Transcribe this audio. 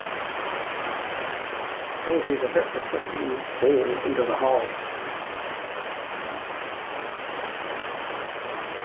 I told you to hit the flippin' ball into the hole!